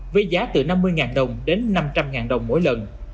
với giá từ năm mươi đồng đến năm trăm linh đồng mỗi lần